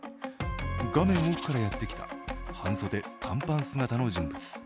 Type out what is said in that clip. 画面奥からやってきた半袖・短パン姿の人物。